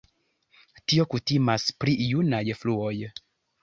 Tio kutimas por junaj fluoj.